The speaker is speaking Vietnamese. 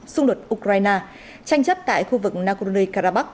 xung đột ukraine tranh chấp tại khu vực nagorno karabakh